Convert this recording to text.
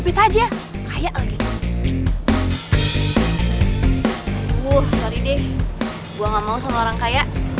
kok jadi gitu sih dia